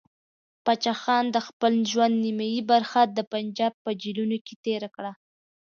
پاچا خان د خپل ژوند نیمایي برخه د پنجاب په جیلونو کې تېره کړه.